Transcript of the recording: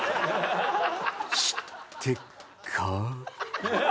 知ってっか？